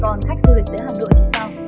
còn khách du lịch tới hà nội thì sao